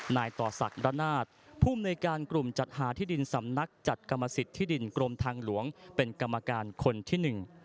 นายต่อศักดิ์ระนาศภูมิในการกลุ่มจัดหาที่ดินสำนักจัดกรรมสิทธิดินกรมทางหลวงเป็นกรรมการคนที่หนึ่ง